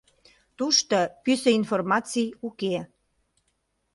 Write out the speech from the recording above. Тушто пӱсӧ информаций уке.